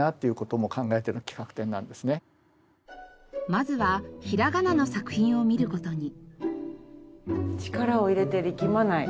まずはひらがなの作品を見る事に。